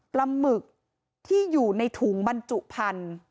หมึกที่อยู่ในถุงบรรจุพันธุ์